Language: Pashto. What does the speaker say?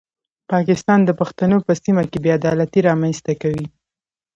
پاکستان د پښتنو سیمه کې بې عدالتي رامنځته کوي.